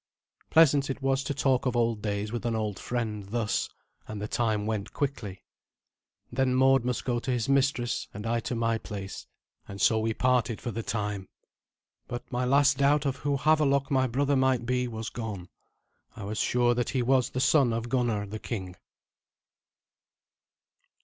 Pleasant it was to talk of old days with an old friend thus, and the time went quickly. Then Mord must go to his mistress and I to my place, and so we parted for the time. But my last doubt of who Havelok my brother might be was gone. I was sure that he was the son of Gunnar the king.